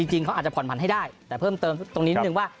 จริงเขาอาจจะผ่อนผันให้ได้แต่เพิ่มเติมตรงนี้นิดนึงว่า